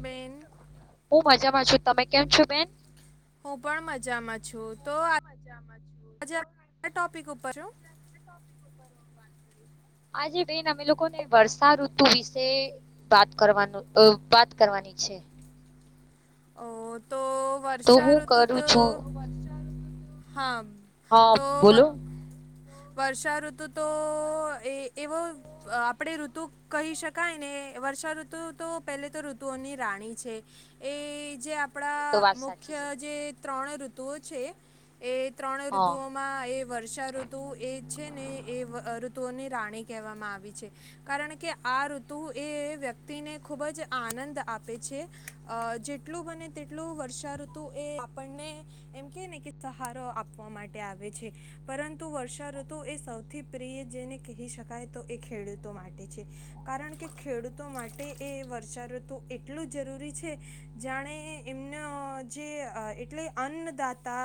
બેન હું મજામાં છું. તમે કેમ છો બેન? હું પણ મજામાં છું હું તો પણ મજામાં છું. આજે તો આ ટોપિક ઉપર છું [unintelligible] વાત કરીશ. આજે બેન અમે લોકોને વર્ષાઋતુ વિશે વાત કરવાનુંઅ વાત કરવાનું ની છે. ઓ તો તો હું વર્ષાઋતુ કરું તો છું હા, હા તો વ બોલો વર્ષાઋતુ તો એ એવો અ આપણેે ઋતુ કહી શકાય ને વર્ષાઋતુ તો પહેલે તો ઋતુઓની રાણી છે. એ એ જે એ તો આપણા વાત સાચી મુખ્ય છે જે ત્રણ ઋતુઓ છે એ ત્રણ હા ઋતુઓમાં એ વર્ષા ઋતુ એ છે ને એ વ અ ઋતુઓની રાણી કહેવામાં આવી છે. કારણ કે આ ઋતુ એ વ્યક્તિને ખૂબ જ આનંદ આપે છે. છે. અ જે એટલું બને તેટલું વર્ષાઋતુ એ આપણને એમ કે ને કે સહારો આપવા માટે આવે છે. પરંતુ વર્ષાઋતુ એ સૌથી પ્રિય જેને કહી શકાય તો એ ખેડૂતો માટે કારણ કે ખેડૂતો માટે એ વર્ષાઋતુ એટલું જરૂરી છે જાણે એમનો જે અ એટલે અન્નદાતા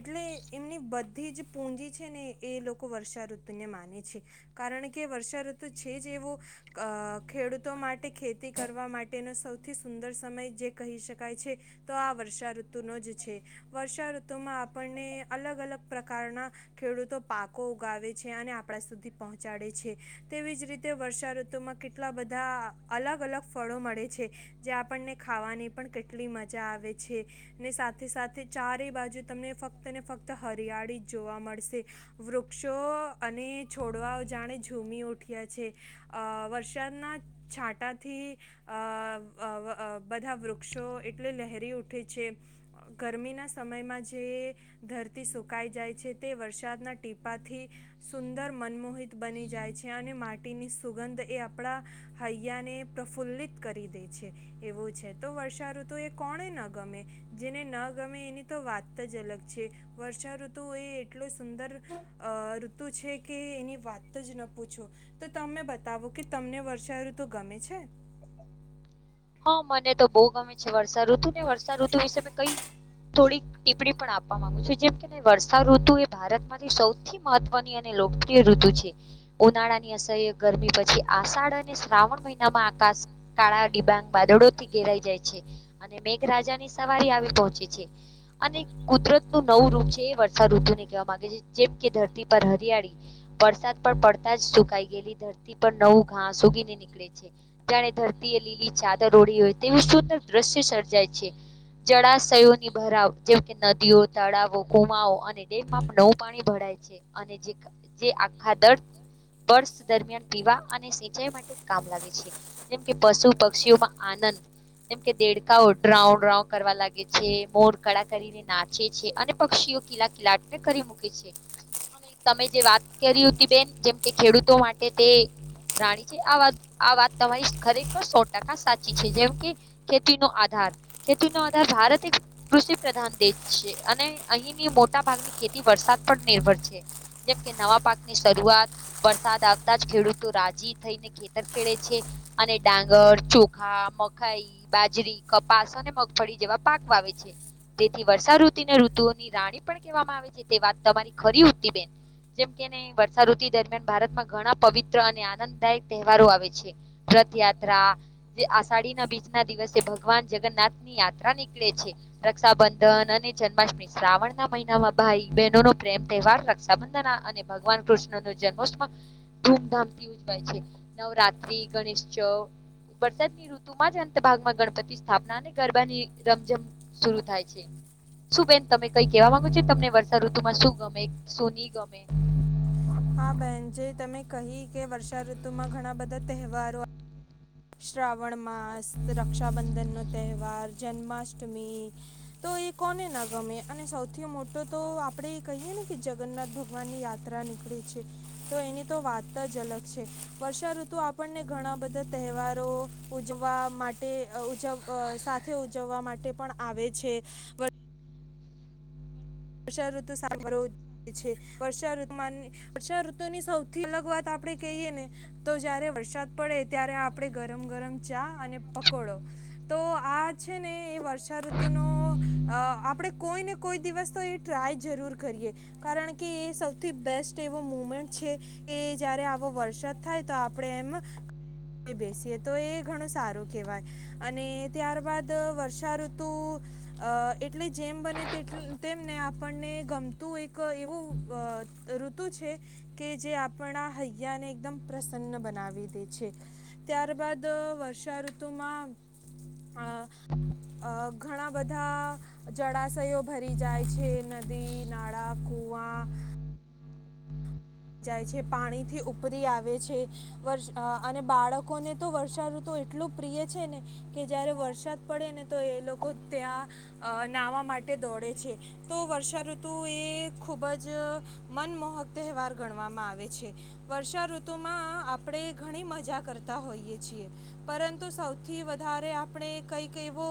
એટલે એમની બ બધી જ પૂંજી છે ને, એ લોકો વર્ષાઋતુને માને છે, કારણ કે વર્ષાઋતુ છે, જેવો અ ખેડૂતો માટે ખેતી કરવા માટેનો સૌથી સુંદર સમય જે કહી શકાય છે, તો આ વર્ષાઋતુનો જ છે, વર્ષાઋતુમાં આપણને અલગ અલ પ્રકારના ખેડૂતો પાકો ઉગાવે છે, અને આપણા સુધી પહોંચાડે છે, તેવી જ રી તે વર્ષાઋતુમાં કેટલા બધા અલગ અલગ ફળો મળે છે, જે આપણને ખાવાની પણ કેટલી મજા આવે છે ને સાથે સાથે ચારે બાજુ તમને ફક્ત ને ફક્ત હરિયા વાડી જોવા મળશે વૃક્ષો અને છોડવાઓ જાણે ઝૂમી ઉઠ્યા છે. અ વરસાદના છાંટાથી અ અ અ બધા વૃ ક્ષો એટલે લહેરી ઉઠે છે, ગરમીના સમયમાં જે ધરતી સુકા કાય જાય છે, તે વરસાદના ટીપાથી સુંદર મનમોહિત બની જાય છે, અને માટી ની સુગંધ એ આપણા હૈયાને પ્રફુલ્લિત કરી દે છે, એવું છે. તો વર્ષાઋતુ એ કોણે ન ગમે? જેને ન ગમે એની તો વાત જ અલગ છે. વર્ષ ર્ષા ઋતુ એ એટલો સુંદર અ ઋતુ છે કે એની વાત જ ન પૂછો. તો તમે બતાવો કે તમને વર્ષાઋતુ ગમે છે? હા, મને તો બહુ ગમે છે. વર્ષાઋતુ ને વર્ષાઋતુ વિશે મે કંઈ થોડીક ટીપ્પણી પણ આપવા માંગુ છું. જેમ કે વર્ષાઋતુ એ ભારતમાંથી સૌથી મહત્વની અને લોકપ્રિય ઋતુ છે. ઉનાળાની અસહ્ય ગરમી પછી આષાઢ અને શ્રાવણ મહિનામાં આકા કાળા ડીબાંગ વાદળોથી ઘેરાઈ જાય છે અને મેઘરાજાની સવા આવી પહોંચ છે અને કુદ રતનું નવું રૂપ છે એ વર્ષાઋતુને કહેવા માંગે છે. જેમ કે ધરતી પર હરિયાળી વરસાદ પર જ સુકાઈ ગયેલી ધરતી પર નવું ઘાસ ઊગીને નીકળે છે. જાણે ધરતી એ લીલી ચાદ દરોડી હોય તેવી સુંદર દ્રશ્ય સર્જાય છે. જળાશયોની ભરાવ જેમ કે નદીઓ તળાવો ગુમાવ અને ડેમમાં નવું પાણી ભડા ય છે, અને જે જે આખા દર પર્સ દરમિયાન પીવા અને સિંચાઈ માટે કામ લાવે છે, જેમ કે પશુ પક્ષીઓમાં આનંદ. જેમ કે દેડકાઓ ડ્રાઉ ડ્રાઉ કરવા લાગે છે, મોર કળા કરીને નાચે છે, અને પક્ષી કિલા કિલાટ ને કરી મૂકે છે. તમે જે વાત કેરી હુતી, બેન જેમ કે ખેડૂતો માટે તે રાણી છે, આ વાત આ વાત તમારી ખરેખર સો ટાકા સા ચી છે, જેમ, કે ખેતીનો આધાર ખેતીનો આધાર ભારત એક કૃષિ પ્રધાન દેશ છે. અને અહીની મોટા ભાગની ખેતી વરસાદ પર નિર્ભર છે. જેમ કે નવા પાકની શરૂઆત વરસાદ આવતા જ ખેડૂતો રાજી થઈને ખેતર ખેડે છે. અને ડાંગર, ચો ખા મખાઈ, બાજરી, કપાસ, અને મગફળી જેવા પાક વાવે છે. તેથી વર્ષા ઋતીને ઋતુઓની રાણી પણ કહેવામાં આવે છે, તે વાત તમારી ખરી ઉતિ બેન જેમ કે, ને વર્ષા ઋતિ દરમિયાન ભારતમાં ઘણા પવિત્ર અને આનંદદાયક તહેવારો આવે છે. રથ યાત્રા જે આષાઢીના બીજના દિવસે ભગવાન જગન્નાથ ની યાત્રા નીકળે છે, રક્ષાબંધન અને જન્માષ્ટમી શ્રાવણના મહિનામાં ભાઈ બહેનોનો પ્રેમ તહેવાર રક્ષાબંધન આ અને ભગવાન કૃષ્ણ જન્મોસમ ધૂમધામથી ઉજવાય છે, નવરાત્રી ગણેશચ વરસાદની ઋતુમાં જ અંત ભાગમાં ગણપતિ સ્થાપના અને ગરબાની રમઝમ શરૂ થાય છે. શું બેન તમે કઈ કેહેવા માંગો છો? તમને વર્ષા ઋતુ માં શું ગમે શું ની ગમે? હા બેહેન જે તમે કહી કે વર્ષાઋતુમાં ઘણા બધા તહેવારો શ્રાવણ માસ રક્ષાબંધન નો તહેવાર જન્માષ્ટમી તો એ કોને ન ગમે અને સૌથી મોટો તો આપણેે એ કહીએ ને કે જગન્નાથ ભગવાનની યાત્રા છે, તો એની તો વાત જ અલગ છે, વર્ષાઋતુ આપણને ઘણા બધા તહેવારો ઉજવા માટે અ ઉજવ અ સાથે ઉજવવા માટે પણ આવે છે. છે વર્ષાઋતુ સાંભળ છે, વર્ષા ઋતુ વર્ષાઋતુની સૌથી અલગ વાત આ ણે કહીએ ને તો જયારે વરસાદ પડે ત્યારે આપણે ગરમ ગરમ ચા અને પકોડો તો આ છે ને એ વર્ષાઋતુ નો અ આપડે કોઈ ને કોઈ દિવસ તો એ- ટ્રાય જરૂર કરીએ કારણ કે એ સૌથી બેસ્ટ એવો મુમેન્ટ છે કે જ્યારે વરસાદ થાય તો આપડે એમ બેસીએ તો એ ઘણું સારું કેહેવાય અને ત્યારબાદ વર્ષાઋતુ અ એટલે જેમ તેટલ બને તેમને આપણને ગમતું એક એવું અ ઋતુ છે કે જે આપણા હૈયા એકદમ પ્રસન્ન બનાવી દે છે ત્યારબદ વર્ષા ઋતુમાં અ અ ઘણા બધા જળાશયો ભરી જાય છે. છેે નદી નાળા કુંવા જાય છે પાણીથી ઉપરી આવે છે અને બાળકોને તો વર્ષાઋતુ એટલું પ્રિય છે, ને કે જયારે વરસાદ પડે ને તો એ લોકો ત્યાં અ નાવા માટે દોડે છે, તો વર્ષાઋતુ એ ખૂબ જ મનમોહક તહેવાર ગણવામાં આવે છે, વર્ષાઋતુ માં આપણે ઘણી મજા કરતા હોઈએ છીએ પરંતુ સૌથી વધારે આપણે કઈક એવો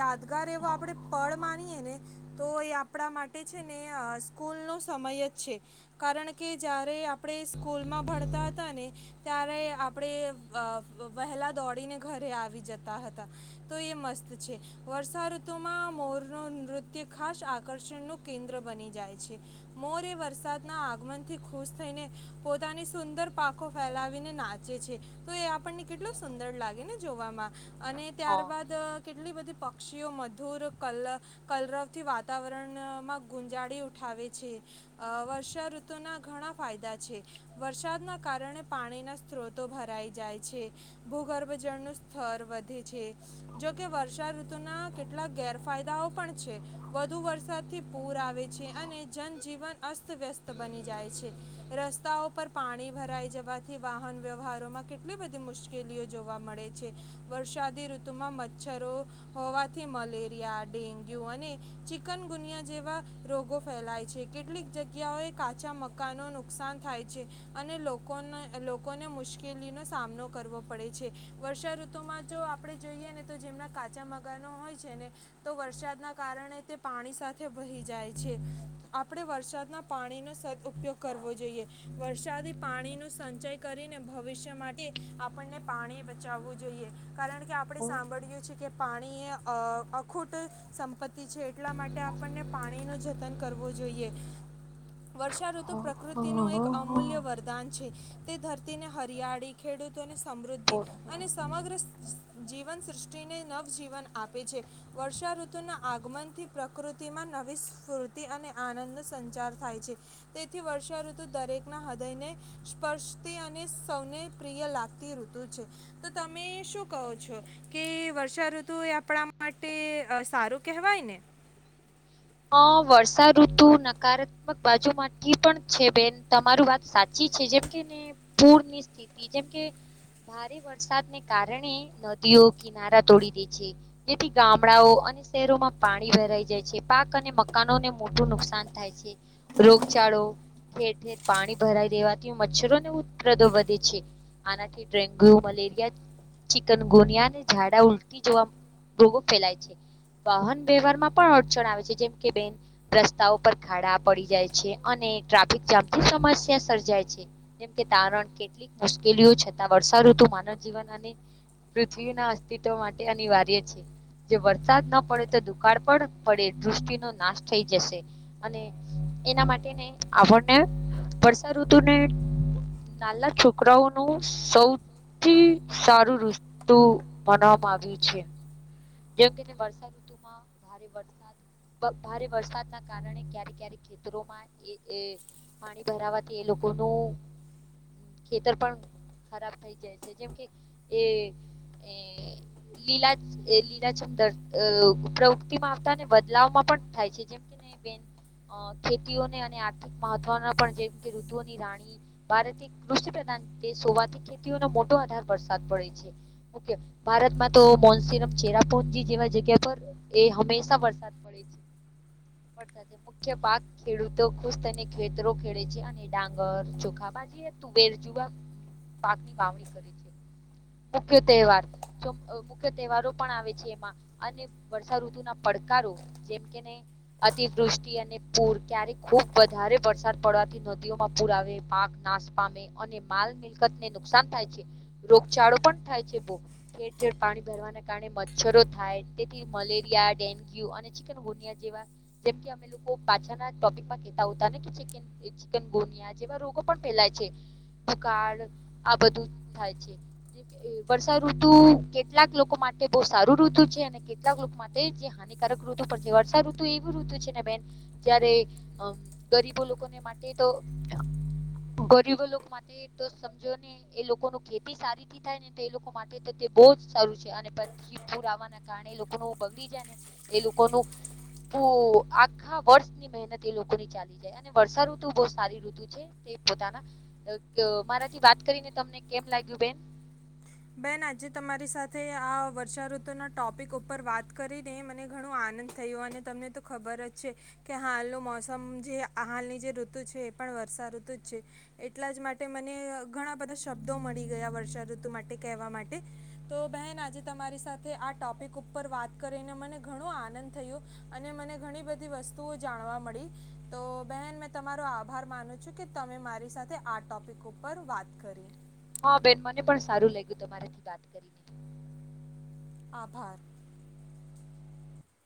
યાદગાર એવો આપણે પળ માની [unintelligible] તો એ આપણા માટે છે, ને સ્કૂલ નો સમય જ છે, કારણ કે જયારે આપણે સ્કૂલમાં ભણતા હતા ને ત્યારે આપણે અ વ વહે લા દોડીને ઘરે આવી જતા હતા તો એ મસ્ત છે, વર્ષાઋતુ માં મોર નૃત્ય ખાસ આકર્ષણનું કેન્દ્ર બની જાય છે, મોર એ વરસાદના આગમન થી ખુશ થઈને પોતાની સુંદર પાખો ફેલાવીને નાચે છે તો એ આપણને કેટલું શું દર લાગે ને જોવામાં અને હા ત્યારબાદ કેટલી બધી પક્ષીઓ મધુર કલ કલરવથી વાતાવરણમાં ગુંજાડી ઉઠાવ- આવે છે વર્ષાઋત- ના ઘણા ફાયદા છે વરસાદના કારણે પાણીના સ્ત્રોતો ભરાઈ જાય છે. ભૂગર્ભ જળનું સ્તર વધે છે જોકે વર્ષાઋતુના કેટલાક ગેરફાય- દાઓ પણ છે વધુ વરસાદથી પૂર આવે છે અને જનજીવન અસ્તવ્યસ્ત- બની જાય છે રસ્તાઓ પર પાણી ભરાઈ જવાથી વાહન વ્યવહારો માં કેટલી બધી- મુશ્કેલીઓ જોવા મળે છે વરસાદી ઋતુમાં મચ્છરો હોવાથી મલેરિયા- ડેન્ગ્યુ અને ચિકનગુનિયા જેવા રોગો ફેલાય છે કેટલીક જગ્યાઓએ- કાચા મકા ન નુકસાન થાય છે અને લોકોને લોકોને મુશ્કેલીનો સામનો કર- કરવો પડે છે વર્ષા ઋતુમાં જો આપડે જોઈએ ને તો જેમના કાચા મકાનો હોય છે ને- તો વરસાદના કારણે તે પાણી સાથે વહી જાય છે આપણે વરસાદના પાણીનો, સદ ઉપયોગ કરવો જોઈએ વરસાદી પાણીનો સંચય કરીને ભવિષ્ય માટે આપ- આપણને પાણી બચાવવું જોઈએ કારણ કે આપણે સાંભળએ છે કે પાણીએ અ અખૂટું- સંપત્તિ છે એટલા માટે આપણને પાણી નું જતન કરવું જોઈએ. [unintelligible] વર્ષાઋતુ પ્રકૃતિનું એક અમૂલ્ય વરદાન છે તે ધરતીને હરિયાળી ખેડૂત- સમૃદ્ધિ અને સમગ્ર સ જીવન સૃષ્ટિને નવ જીવન આપે છે. વર્ષાઋતુના આગમનથી પ્રકૃતિમાં નવી સ્ફૂર્તિ અને આનંદનો સંચાર- થાય છે તેથી વર્ષાઋતુ દરેકના હૃદયને સ્પર્શતી અને સૌને પ્રિય- લાગતી ઋતુ છે તો તમે શું કહો છો કે વર્ષાઋતુ એ આપણા માટે ટે સારું કહેવાય ને. [unintelligible] હ વર્ષાઋતુ નકારાત્મક બાજુમાંથી પણ છે બેન તમારું વાત સાચી જેમ કેને પૂરની સ્થિતિ જેમ કે ભારે વરસાદને કારણે નદીઓ કિનારા તોડી દે છે જેથી ગામડાઓ શહેરોમાં પાણી વહેરાઈ જાય છે પાક અને મકાનોને મોટું નુકસાન થાય છે રોગચળો ઠેર ઠેર પાણી ભરાઈ દેવાથી મચ્છરો ને ઉપ્રદો વધે છે આનાથી ડેન્ગ્યુ મલેરિયા ચિકન ગોનિયા અને ઝાડા ઉલટી જેવા રોગો ફેલાય છે વાહન વ્યવહાર માં પણ અડચણ આવે છે જેમ કે બેન રસ્તાઓ પર ખાડા પડી જાય છે અને ટ્રાફિક જામથી સમસ્યા સ છે જેમ કે કારણ કેટલીક મુશ્કેલીઓ છતાં વર્ષાઋતુ માનવ જીવન અને પૃથ્વીના અસ્તિત્વ માટે અનિવાર્ય છે જે વરસાદ ન પડે તો દુકાળ પણ પડે સૃષ્ટિ નો નાશ થઈ જશે અને એના માટેને આપણને વર્ષા ઋતુને નાના છોકરાઓનું સૌ સથી સારું ઋતુ મનાવામાં આવ્યું છે જેમ કે વર્ષા ઋતુમાં ભારે વરસાદ ભારે વરસાદના કારણે ક્યારેક ક્યારેક ખેતરોમાં એ પાણી ભરાવાથી એ લોકોનું ખેતર પણ ખરાબ થઈ જાય છે જેમ કે એ એ લીલા લીલાચંદર પ્રવૃતિમાં આવતા ને બદલાવમાં પણ થાય છે જેમ કે બેન અ ખેતીઓને અને આર્થિક મહત્વના પણ જે રીતે ઋતુઓની રાણી ભાર કૃષિ પ્રધાન તે સોવાથી ખેતીઓનો મોટો આધાર વરસાદ પડે છે ઓકે ભારતમાં તો મોન્સનમ ચેરાપુંજી જેવા જગ્યા પર એ હંમેશા વર પડે છે મુખ્ય પાક ખેડૂતો ખુશ થઈને ખેતરો ખેડે છે અને ડાંગર ચોખા તું બેર જુવા પાક ની વાવણી કરી છે મુખ્ય તહેવાર મુખ્ય તહેવારો પણ આવે છે એમાં અને વર્ષાઋતુના પડકારો જેમ કેને અતિવૃષ્ટિ અને પૂર ક્યારેક ખુબ વધારે વરસાદ પડવાથી નદીઓમાં પુરાવે પાક નાશ પામે અને માલ મિલકતને નુકસાન થાય છે રોગચળો પણ થાય ઠેર ઠેર પાણી ભરવાના કારણે મચ્છરો થાય તેથી મલેરિયા ડેન્ગ્યુ અને ચિકન ગુનિયા જેવા જેવા જેમકે અમે લોકો પાછળ ના ટોપિક મે કહેતા હતા ને કે ચિકન ગુનિયા જેવા રોગો પણ ફેલાય છે ભકાળ આ બધું થાય છે વર્ષા ઋતુ કેટલાક લોકો માટે બહ સારું ઋતુ છે અને કેટલાક લોકો માટે જે હાનિકારક ઋતુ વર્ષા ઋતુ એવું ઋતુ છે ને મેન જાયારે ગરીબો લોકોને માટે તો ગરીબો લોકો માટે તો સમજો ને એ લોકો ન ખેતી સારીથી થાય ને તો એ લોકો માટે બહ જ સારું છે અને પછી પૂર આવવાના કારણે એ લોકોનું બગડી જાય ને એ લોકોનું પુ આખા વર્ષની મહેનત એ લોકોની ચાલી જાય અને વર્ષાઋતુ બહ સારી ઋતુ છે કે પોતાના મારાથી વાત કરીને તમને કેમ લાગ્યું બેન બેન આજે તમારી સાથે આ વર્ષાઋતુ ના ટોપિક ઉપર વાત કરીને મને ઘણ આનંદ આનંદ થયો અને તમને તો ખબર જ છે કે હાલનું મોસમ જે હાલની જે ઋતુ છે એ પણ વર્ષા ઋતુ જ છે એટલા જ માટે મને ઘણા બધા શબ્દો મળી ગયા વર્ષા ઋતુ માટે કહેવા માટે તો બેન આજે તમારી સાથે આ ટોપિક ઉપર વાત કરીને મને ઘણો આ આનંદ થયો અને મને ઘણી બધી વસ્તુઓ જાણવા મળી તો બહેન મેં તમારો આભાર માનું છું કે તમે મારી સાથે આ ટોપિક ઉપર વાત કરી હા બેન મને પણ સારું લાગ્યું તમારાથી વાત કરીને આભાર